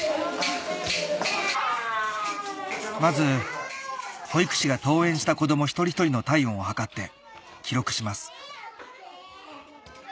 まず保育士が登園した子供一人一人の体温を測って記録します